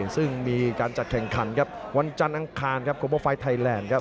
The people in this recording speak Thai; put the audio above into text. ซึ่งมีการจัดแข่งขันครับวันจันทร์อังคารครับโคเบอร์ไฟล์ไทยแลนด์ครับ